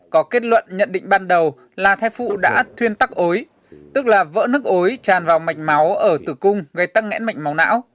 có kết luận nhận định ban đầu là thai phụ đã thuyên tắc ối tức là vỡ nước ối tràn vào mạch máu ở tử cung gây tắc nghẽn mạnh máu não